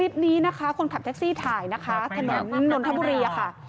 คลิปนี้นะคะคนขับแท็กซี่ถ่ายนะคะถนนนนทบุรีอะค่ะ